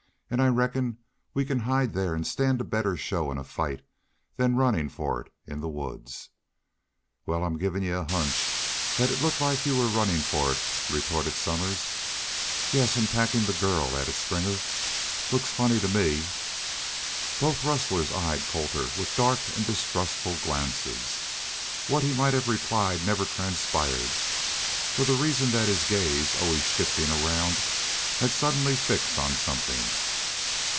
"An' I reckon we can hide there an' stand a better show in a fight than runnin' for it in the woods." "Wal, I'm givin' you a hunch thet it looked like you was runnin' fer it," retorted Somers. "Yes, an' packin' the girl," added Springer. "Looks funny to me." Both rustlers eyed Colter with dark and distrustful glances. What he might have replied never transpired, for the reason that his gaze, always shifting around, had suddenly fixed on something.